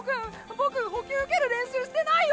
ボク補給受ける練習してないよ！